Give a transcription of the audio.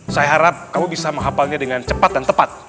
saya harap kamu bisa menghapalnya dengan cepat dan tepat